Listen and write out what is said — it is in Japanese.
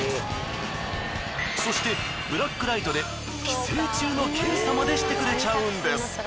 そしてブラックライトで寄生虫の検査までしてくれちゃうんです。